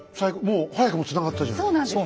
もう早くもつながったじゃない。